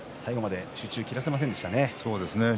最後まで集中を切らせませんでした。